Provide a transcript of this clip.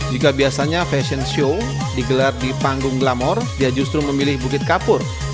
jika biasanya fashion show digelar di panggung glamor dia justru memilih bukit kapur